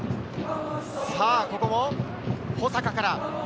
ここも保坂から。